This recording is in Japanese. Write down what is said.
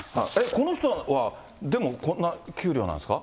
この人はでも、こんな給料なんですか。